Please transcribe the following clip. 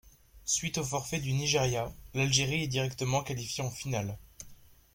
Suite au forfait du Nigéria, l'Algérie est directement qualifiée en finale.